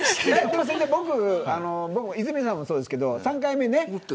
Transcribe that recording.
先生、僕、泉谷さんもそうですけど３回目ね。